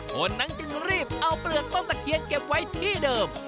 คนนั้นจึงรีบเอาเปลือกต้นตะเคียนเก็บไว้ที่เดิม